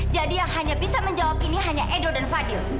jadi yang hanya bisa menjawab ini hanya edo dan fadil